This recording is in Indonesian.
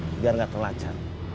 biar gak terlacan